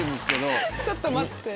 ちょっと待って。